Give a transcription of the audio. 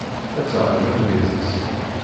Ad taɛqel argaz-is.